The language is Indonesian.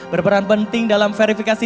berperan penting dalam verifikasi